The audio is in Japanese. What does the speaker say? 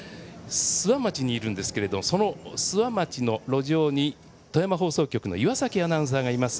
諏訪町にいるんですがその諏訪町の路上に富山放送局の岩崎アナウンサーがいます。